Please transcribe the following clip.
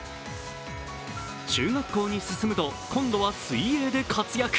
中学校に進むと今度は水泳で活躍。